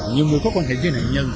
nhiều mối quan hệ với nạn nhân